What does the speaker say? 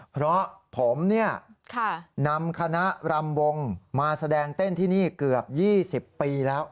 เพราะผมนำคณะรำวงมาแสดงเต้นที่นี่เกือบ๒๐ปีแล้ว